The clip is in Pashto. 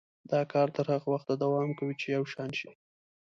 دا کار تر هغه وخته دوام کوي چې یو شان شي.